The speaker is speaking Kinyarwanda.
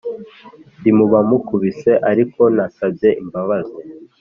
Ndi mubamukubise ariko nasabye imbabazi